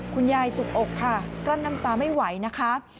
คุณยายจุกอกค่ะกลั้นน้ำตาไม่ไหวนะคะ